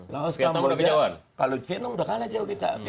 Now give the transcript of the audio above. laos kamboja kalau vietnam udah kalah jauh kita